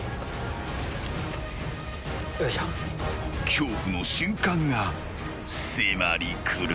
［恐怖の瞬間が迫り来る］